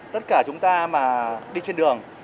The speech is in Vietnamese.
tất cả chúng ta mà đi trên đường